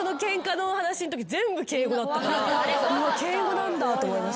うわっ敬語なんだと思いましたもん。